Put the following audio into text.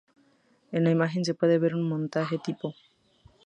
En la imagen se puede ver un montaje tipo.